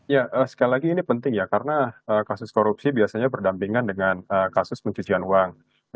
ya sekali lagi ini penting ya karena kasus korupsi biasanya berdampingan dengan kasus pencucian uang